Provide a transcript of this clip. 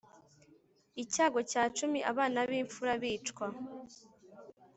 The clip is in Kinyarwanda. icyago cya cumi abana b imfura bicwa